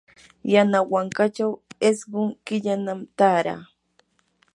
yanawankachaw isqun killanam taaraa.